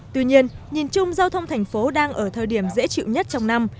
tuy nhiên nhìn chung giao thông thành phố đang ở thời điểm dễ chịu nhất trong năm